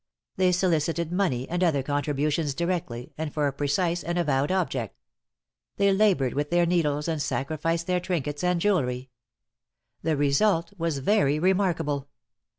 They solicited money and other contributions directly, and for a precise and avowed object. They labored with their needles and sacrificed their trinkets and jewelry. The result was very remarkable.